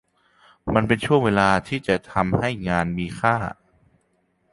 มันเป็นช่วงเวลาที่จะทำให้งานมีค่า